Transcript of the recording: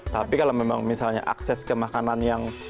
tapi kalau memang misalnya akses ke makanan yang